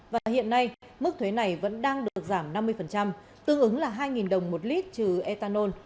và hiện nay mức thuế này vẫn đang được giảm năm mươi tương ứng là hai đồng một lít trừ ethanol